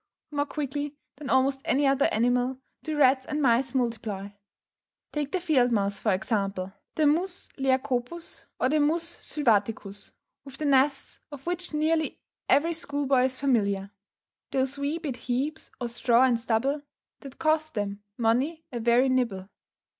More quickly than almost any other animal, do rats and mice multiply. Take the field mouse for example (the mus leacopus or the mus sylvaticus), with the nests of which nearly every school boy is familiar, "Those wee bit heaps o' straw and stubble, That cost them mony a weary nibble."